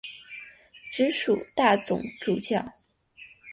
直属大总主教。